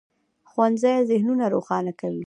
ښوونځی ذهنونه روښانه کوي.